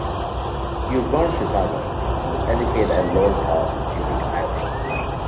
He was born in Chicago, and was educated at Loras College in Dubuque, Iowa.